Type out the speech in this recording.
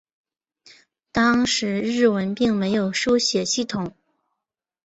当时日文并没有书写系统。